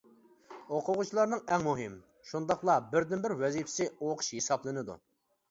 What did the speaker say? ئوقۇغۇچىلارنىڭ ئەڭ مۇھىم، شۇنداقلا بىردىنبىر ۋەزىپىسى ئوقۇش ھېسابلىنىدۇ.